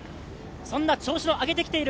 そんな調子を上げてきている